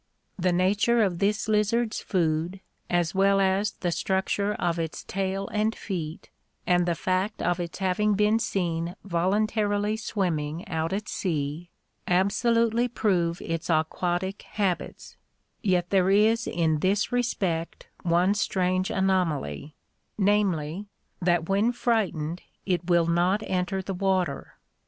... The nature of this lizard's food, as well as the structure of its tail and feet, and the fact of its having been seen voluntarily swimming out at sea, absolutely prove its aquatic habits; yet there is in this respect one strange anomaly, namely, that when frightened it will not enter the water.